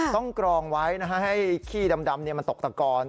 ต้องกรองไว้นะฮะให้ขี้ดำมันตกตะกอน